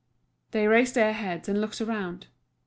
They raised their heads and looked round.